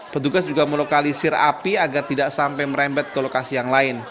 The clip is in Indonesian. petugas juga melokalisir api agar tidak sampai merembet ke lokasi yang lain